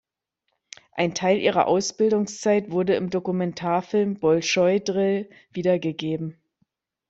Ein Teil ihrer Ausbildungszeit wurde im Dokumentarfilm "Bolschoi Drill" wiedergegeben.